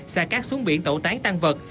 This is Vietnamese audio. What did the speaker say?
xa cát xuống biển tẩu tán tăng vật